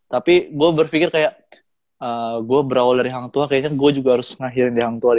tapi gue berpikir kayak gue berawal dari hangtoa kayaknya gue juga harus nge healing di hangtoa